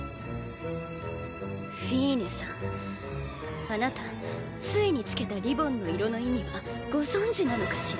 フィーネさんあなた杖に付けたリボンの色の意味はご存じなのかしら？